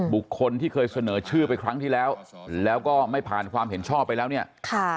บุคคลที่เคยเสนอชื่อไปครั้งที่แล้วแล้วก็ไม่ผ่านความเห็นชอบไปแล้วเนี่ย